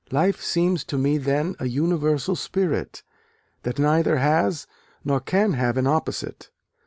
Life seems to me then a universal spirit, that neither has nor can have an opposite.